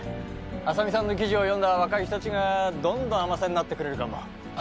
浅見さんの記事を読んだ若い人たちがどんどん海女さんになってくれるかも。